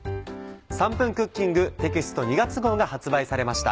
『３分クッキング』テキスト２月号が発売されました。